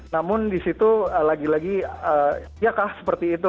namun disitu lagi lagi ya kah seperti itu